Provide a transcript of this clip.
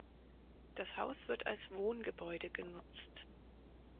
Das Haus wird als Wohngebäude genutzt.